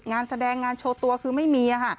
งานแสดงงานโชว์ตัวคือไม่มีค่ะ